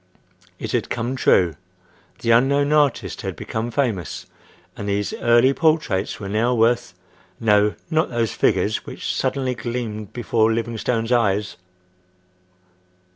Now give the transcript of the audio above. It had come true. The unknown artist had become famous, and these early portraits were now worth—no, not those figures which suddenly gleamed before Livingstone's eyes!